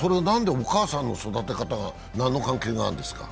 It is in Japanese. お母さんの育て方が関係あるんですか？